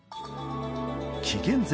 紀元前